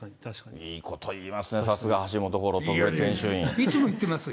いいこと言いますね、さすが、橋本五郎編集員。